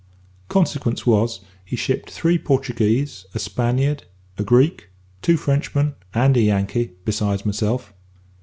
Consequence was, he shipped three Portuguese, a Spaniard, a Greek, two Frenchmen, and a Yankee, besides myself.